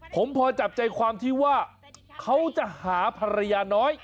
ผมพอจับใจความที่ว่าเขาจะหาภรรยาน้อย